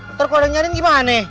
ntar kalau udah nyari gimana nih